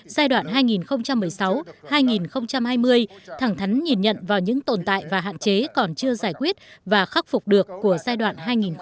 giai đoạn hai nghìn một mươi sáu hai nghìn hai mươi thẳng thắn nhìn nhận vào những tồn tại và hạn chế còn chưa giải quyết và khắc phục được của giai đoạn hai nghìn một mươi sáu hai nghìn hai mươi